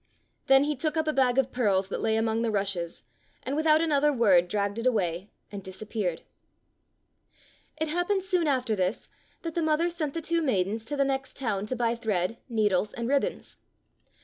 Then he took up a bag of pearls that lay among the rushes, and without another word dragged it away and disappeared. It happened soon after this that the mother sent the two maidens to the next town to buy thread, needles, and ribbons.